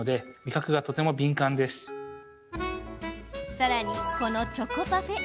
さらに、このチョコパフェ。